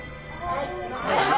はい。